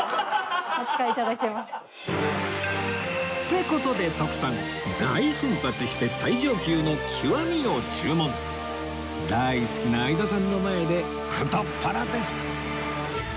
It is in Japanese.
って事で徳さん大奮発して大好きな相田さんの前で太っ腹です！